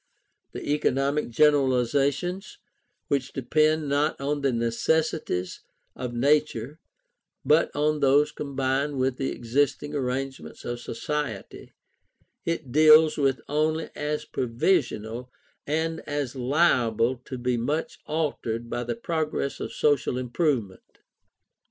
The economic generalizations which depend not on necessaties of nature but on those combined with the existing arrangements of society, it deals with only as provisional, and as liable to be much altered by the progress of social improvement.